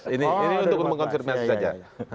ini untuk mengonservasi saja